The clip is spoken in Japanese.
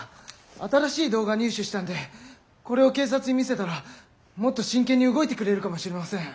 新しい動画入手したんでこれを警察に見せたらもっと真剣に動いてくれるかもしれません。